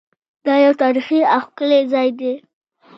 دا یو تاریخي او ښکلی ځای دی.